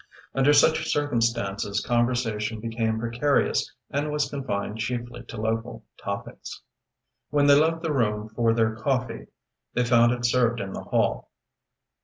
Under such circumstances, conversation became precarious and was confined chiefly to local topics. When they left the room for their coffee, they found it served in the hall.